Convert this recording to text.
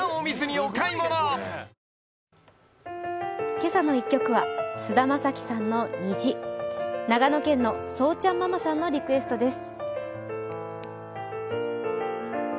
「けさの１曲」は菅田将暉さんの「虹」、長野県のそうちゃんママさんのリクエストです。